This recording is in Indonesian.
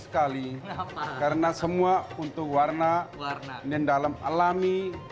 karena semua untuk warna dan dalam alami